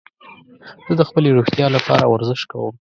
زه د خپلې روغتیا لپاره ورزش کوم.